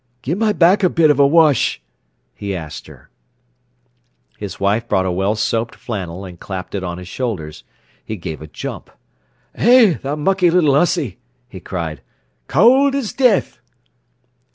"Gi'e my back a bit of a wesh," he asked her. His wife brought a well soaped flannel and clapped it on his shoulders. He gave a jump. "Eh, tha mucky little 'ussy!" he cried. "Cowd as death!"